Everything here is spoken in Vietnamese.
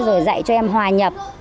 rồi dạy cho em hòa nhập